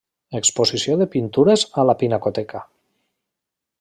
Exposició de pintures a la Pinacoteca.